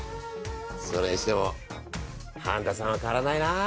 それにしても半田さんは変わらないな。